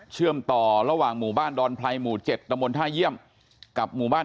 เชื่อมต่อระหว่างหมู่บ้านดอนไพรหมู่๗ตะมนต์ท่าเยี่ยมกับหมู่บ้าน